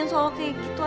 enggak mau lihatyoutube af